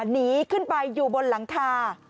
หนีขึ้นไปอยู่บนหลังคา